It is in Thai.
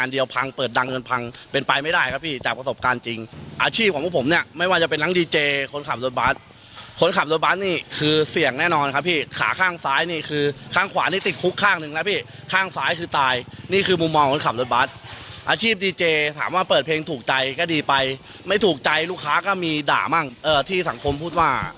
เดียวพังเปิดดังเงินพังเป็นไปไม่ได้ครับพี่จากประสบการณ์จริงอาชีพของพวกผมเนี่ยไม่ว่าจะเป็นทั้งดีเจคนขับรถบัสคนขับรถบัสนี่คือเสี่ยงแน่นอนครับพี่ขาข้างซ้ายนี่คือข้างขวานี่ติดคุกข้างหนึ่งนะพี่ข้างซ้ายคือตายนี่คือมุมมองคนขับรถบัสอาชีพดีเจถามว่าเปิดเพลงถูกใจก็ดีไปไม่ถูกใจลูกค้าก็มีด่ามั่งเอ่อที่สังคมพูดว่า